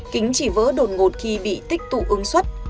kính chỉ vỡ đột ngột khi bị tích tụ ứng xuất